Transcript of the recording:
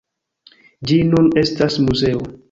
Ĝi nun estas muzeo.